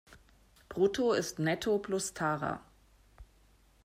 Brutto ist Netto plus Tara.